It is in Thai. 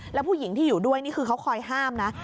แล้วผู้หญิงที่อยู่ด้วยนี่คือเขาคอยห้ามนะ